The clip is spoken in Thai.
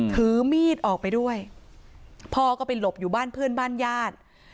ถือมีดออกไปด้วยพ่อก็ไปหลบอยู่บ้านเพื่อนบ้านญาติ